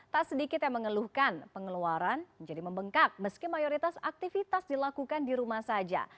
tak sedikit yang mengeluhkan pengeluaran menjadi membengkak meski mayoritas aktivitas dilakukan di rumah saja